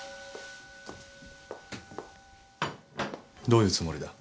どういうつもりだ。